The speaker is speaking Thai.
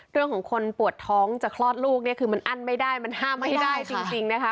เรื่องของคนปวดท้องจะคลอดลูกเนี่ยคือมันอั้นไม่ได้มันห้ามไม่ได้จริงนะคะ